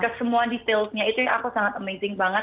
ke semua detailnya itu aku sangat amazing banget